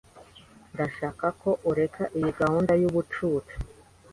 Ndashaka ko ureka iyi gahunda yubucucu.